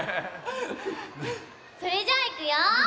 それじゃあいくよ！